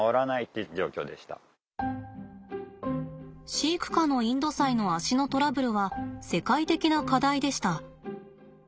飼育下のインドサイの足のトラブルは世界的な課題でした。